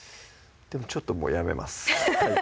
でもちょっともうやめます